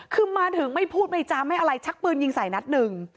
คือมาถึงไม่พูดไม่จามไม่อะไรชักปืนยิงใส่นัดหนึ่ง